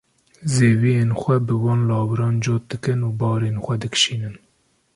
zeviyên xwe bi wan lawiran cot dikin û barên xwe dikişînin.